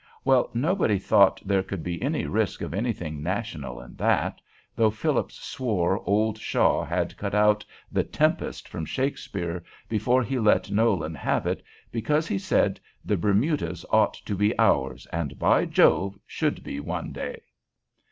Well, nobody thought there could be any risk of anything national in that, though Phillips swore old Shaw had cut out the "Tempest" from Shakespeare before he let Nolan have it, because he said "the Bermudas ought to be ours, and, by Jove, should be one day."